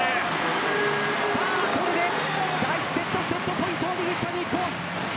これで第１セットセットポイントを握った日本。